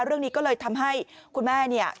เรื่องนี้ก็เลยทำให้คุณแม่เนี่ย